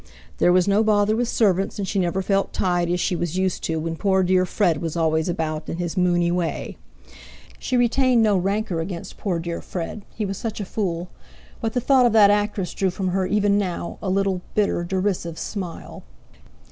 There was no bother with servants, and she never felt tied as she used to when poor, dear Fred was always about, in his mooney way. She retained no rancour against poor, dear Fred, he was such a fool; but the thought of that actress drew from her, even now, a little, bitter, derisive smile.